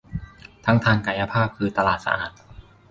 ทั้งทางกายภาพคือตลาดสะอาด